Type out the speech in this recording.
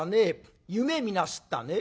夢見なすったね」。